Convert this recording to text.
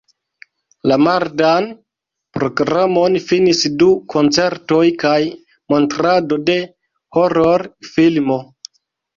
La mardan programon finis du koncertoj kaj montrado de horor-filmo.